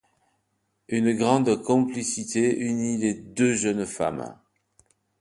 Une grande complicité unit les deux jeunes femmes.